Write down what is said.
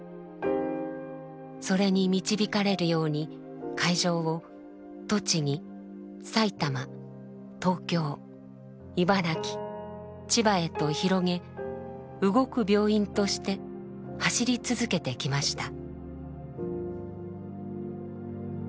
それに導かれるように会場を栃木埼玉東京茨城千葉へと広げ「動く病院」として走り続けてきました。